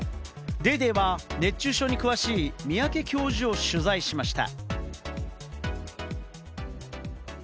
『ＤａｙＤａｙ．』は熱中症に詳しい三宅教授を取材しました。